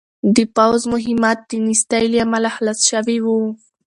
د پوځ مهمات د نېستۍ له امله خلاص شوي وو.